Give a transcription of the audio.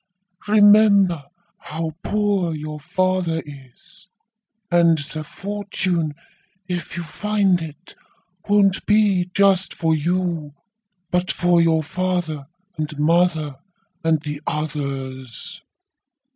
Remember how poor your father is, and the fortune, if you find it, won't be just for you, but for your father and mother and the others.'